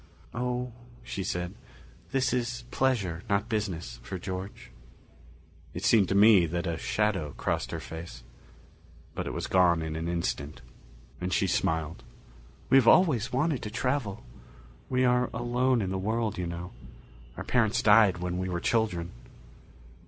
"Oh," she said. "This is pleasure, not business, for George." It seemed to me that a shadow crossed her face. But it was gone in an instant, and she smiled. "We have always wanted to travel. We are alone in the world, you know our parents died when we were children."